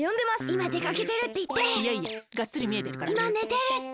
いまねてるって！